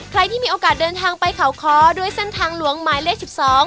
ใครที่มีโอกาสเดินทางไปเขาค้อด้วยเส้นทางหลวงหมายเลข๑๒